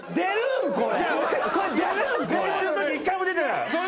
練習のとき一回も出てない。